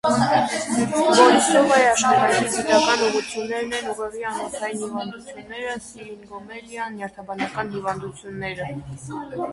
Բորիսովայի աշխտանքի գիտական ուղղություններն են ուղեղի անոթային հիվանդությունները, սիրինգոմելիան, նյարդաբանական հիվանդությունները։